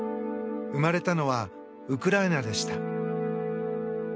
生まれたのはウクライナでした。